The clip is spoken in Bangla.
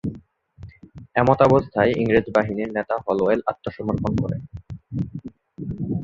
এমতাবস্থায় ইংরেজ বাহিনীর নেতা হলওয়েল আত্মসমর্পণ করেন।